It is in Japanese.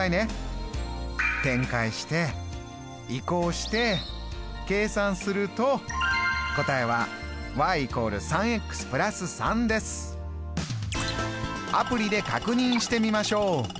展開して移項して計算すると答えはアプリで確認してみましょう。